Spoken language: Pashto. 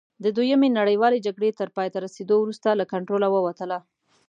د دویمې نړیوالې جګړې تر پایته رسېدو وروسته له کنټروله ووتله.